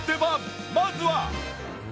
まずは。